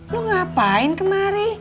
lo ngapain kemari